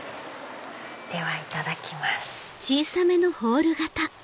ではいただきます。